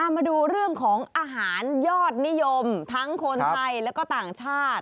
มาดูเรื่องของอาหารยอดนิยมทั้งคนไทยแล้วก็ต่างชาติ